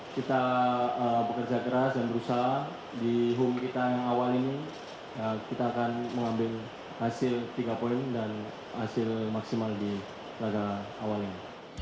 kita bekerja keras dan berusaha di home kita yang awal ini kita akan mengambil hasil tiga poin dan hasil maksimal di laga awal ini